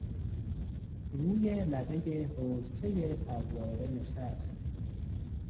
روی لبهی حوضچهی فواره نشست.